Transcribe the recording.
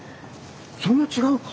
そんな違うか。